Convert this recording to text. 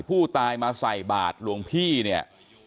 ผู้ตายมาใส่บาทหลวงพี่เนี่ย